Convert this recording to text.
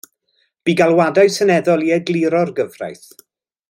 Bu galwadau seneddol i egluro'r gyfraith.